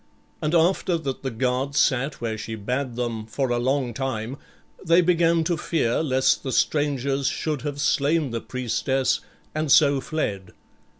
And after that the guards sat where she bade them for a long time, they began to fear lest the strangers should have slain the priestess and so fled.